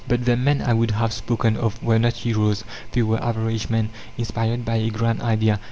But the men I would have spoken of were not heroes; they were average men, inspired by a grand idea.